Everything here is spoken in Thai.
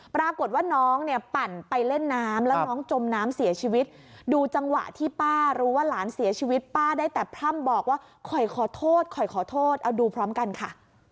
ปรากฏว่าน้องเนี่ยปั่นไปเล่นน้ำแล้วน้องจมน้ำเสียชีวิตดูจังหวะที่ป้ารู้ว่าหลานเสียชีวิตป้าได้แต่พร่ำบอกว่าคอยขอโทษคอยขอโทษเอาดูพร้อมกันค่ะ